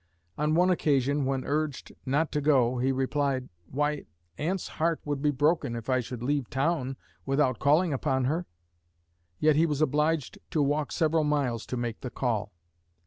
On one occasion, when urged not to go, he replied, "Why, Aunt's heart would be broken if I should leave town without calling upon her," yet he was obliged to walk several miles to make the call.